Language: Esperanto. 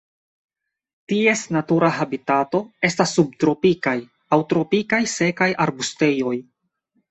Ties natura habitato estas subtropikaj aŭ tropikaj sekaj arbustejoj.